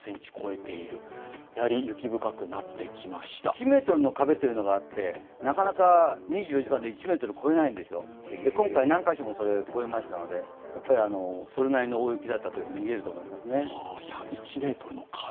１ｍの壁というのがあって、なかなか２４時間で１ｍ超えないんですよ、今回何か所もそれを超えましたのでやっぱりそれなりの大雪だったというふうにいえると思いますね。